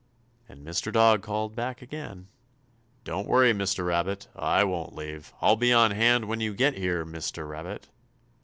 And Mr. Dog called back again: "Don't worry, Mr. Rabbit! I won't leave! I'll be on hand when you get here, Mr. Rabbit!"